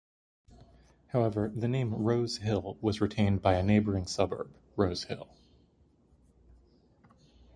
However, the name "Rose Hill" was retained by a neighbouring suburb, Rose Hill.